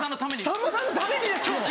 さんまさんのためにです。